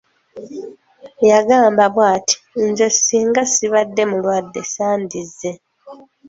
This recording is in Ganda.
Yagamba bw'ati:"nze ssinga ssibadde mulwadde sandize"